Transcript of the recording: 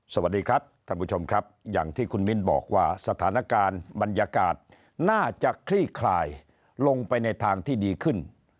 สวัสดีครับท่านผู้ชมครับอย่างที่คุณมิ้นบอกว่าสถานการณ์บรรยากาศน่าจะคลี่คลายลงไปในทางที่ดีขึ้น